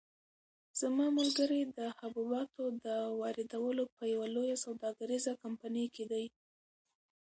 زما ملګری د حبوباتو د واردولو په یوه لویه سوداګریزه کمپنۍ کې دی.